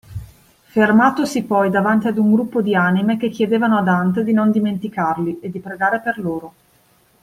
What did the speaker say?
Fermatosi poi davanti ad un gruppo di anime che chiedevano a Dante di non dimenticarli e di pregare per loro.